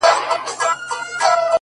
o دا ټپه ورته ډالۍ كړو دواړه؛